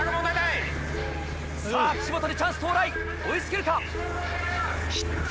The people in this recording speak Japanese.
さぁ岸本にチャンス到来追い付けるか？